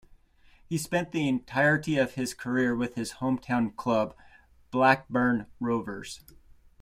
He spent the entirety of his career with his hometown club, Blackburn Rovers.